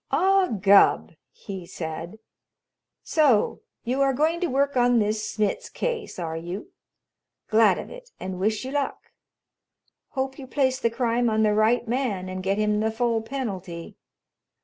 "Ah, Gubb!" he said. "So you are going to work on this Smitz case, are you? Glad of it, and wish you luck. Hope you place the crime on the right man and get him the full penalty.